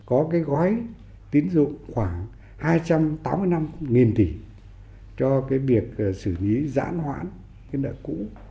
có cái gói tín dụng khoảng hai trăm tám mươi năm tỷ cho cái việc xử lý giãn hoãn cái nợ cũ